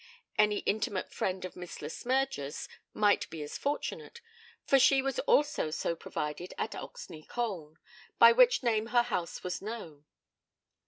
Any intimate friend of Miss Le Smyrger's might be as fortunate, for she was also so provided at Oxney Colne, by which name her house was known.